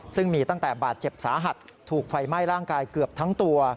ซึ่งมีตั้งแต่บาดเจ็บสาหัสถูกไฟไหม้ร่างกายเกือบทั้งตัว